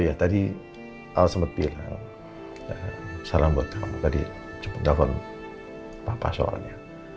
oh iya tadi al sempet bilang salam buat kamu tadi cepet dapet papa soalnya